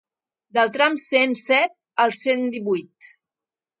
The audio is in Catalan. Del tram cent set al cent divuit.